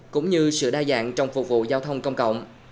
cũng như sự đa dạng trong phục vụ giao thông công cộng